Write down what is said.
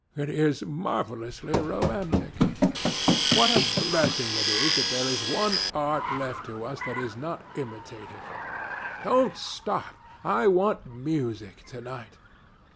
It is marvellously romantic. What a blessing it is that there is one art left to us that is not imitative! Don't stop. I want music to night.